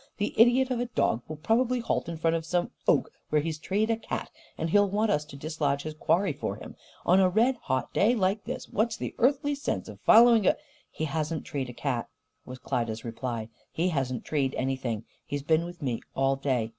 The idiot of a dog will probably halt in front of some oak where he's treed a cat, and he'll want us to dislodge his quarry for him. On a red hot day like this, what's the earthly sense of following a " "He hasn't treed a cat," was Klyda's reply. "He hasn't treed anything. He's been with me, all day.